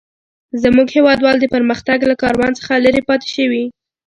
زموږ هيوادوال د پرمختګ له کاروان څخه لري پاته شوي.